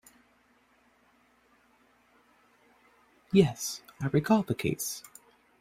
Yes, I recall the case.